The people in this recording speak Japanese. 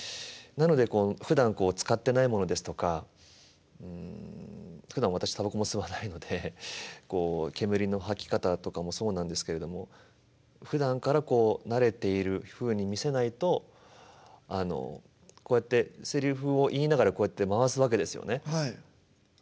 なのでふだん使ってないものですとかうんふだん私たばこも吸わないのでこう煙の吐き方とかもそうなんですけれどもふだんからこう慣れているふうに見せないとこうやってセリフを言いながらこうやって回すわけですよね。